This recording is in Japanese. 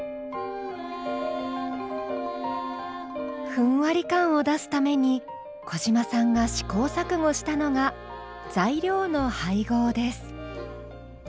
ふんわり感を出すために小嶋さんが試行錯誤したのが材料の配合です。